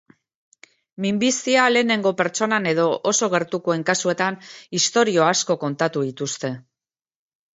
Minbizia lehenengo pertsonan edo oso gertukoen kasuetan istorio asko kontatu dituzte.